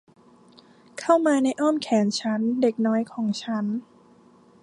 เข้ามาในอ้อมแขนฉัน เด็กน้อยของฉัน